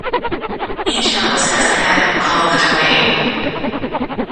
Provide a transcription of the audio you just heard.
Each house has a head, called the Dowayne.